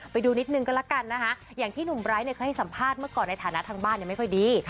ไปดูนิดนึงก็แล้วกันนะคะอย่างที่หนุ่มไบร์ทเคยให้สัมภาษณ์เมื่อก่อนในฐานะทางบ้านไม่ค่อยดี